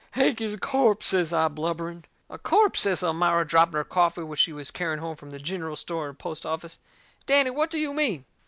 "Hank is a corpse," says I, blubbering. "A corpse!" says Elmira, dropping her coffee which she was carrying home from the gineral store and post office. "Danny, what do you mean?"